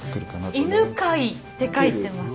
「犬飼」って書いてます。